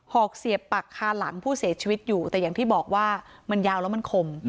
อกเสียบปักคาหลังผู้เสียชีวิตอยู่แต่อย่างที่บอกว่ามันยาวแล้วมันคม